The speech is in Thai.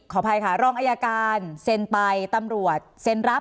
อภัยค่ะรองอายการเซ็นไปตำรวจเซ็นรับ